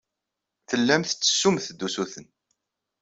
Tellamt tettessumt-d usuten.